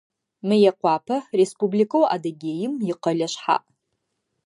Мыекъуапэ Республикэу Адыгеим икъэлэ шъхьаӏ.